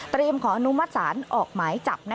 เตรียมขออนุมัติศาลออกหมายจับ